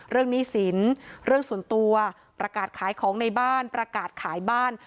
หนี้สินเรื่องส่วนตัวประกาศขายของในบ้านประกาศขายบ้าน